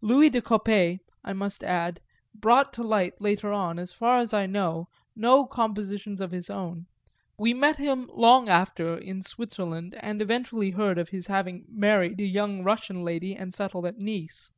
Louis De Coppet, I must add, brought to light later on, so far as I know, no compositions of his own; we met him long after in Switzerland and eventually heard of his having married a young Russian lady and settled at Nice.